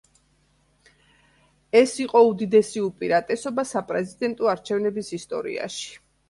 ეს იყო უდიდესი უპირატესობა საპრეზიდენტო არჩევნების ისტორიაში.